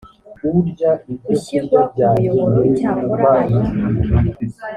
gushyirwa ku muyoboro icyakora ayo